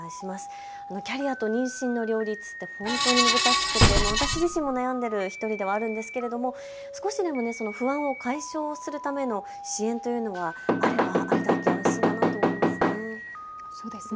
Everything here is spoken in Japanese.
キャリアと妊娠の両立って本当に難しくて私自身も悩んでいる１人ではあるんですが少しでもその不安を解消するための支援というのは、あるはあるだけ安心だと思いますね。